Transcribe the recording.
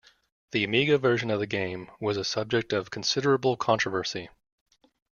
The Amiga version of the game was a subject of considerable controversy.